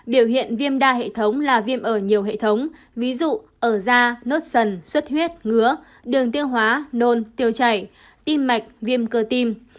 biểu hiện viêm đa hệ thống là viêm ở nhiều hệ thống ví dụ ở da nốt sần suất huyết ngứa đường tiêu hóa nôn tiêu chảy tim mạch viêm cơ tim